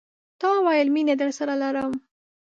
تا ويل، میینه درسره لرم